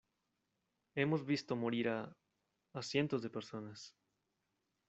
hemos visto morir a... a cientos de personas .